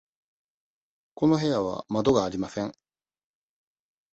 この部屋は窓がありません。